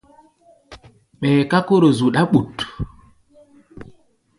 Ɓɛɛ ká kóro zuɗa bút.